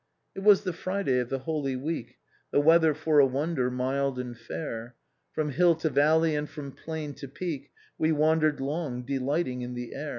" It was the Friday of the Holy Week, The weather, for a wonder, mild and fair; From hill to valley, and from plain to peak, We wandered long, delighting in the air.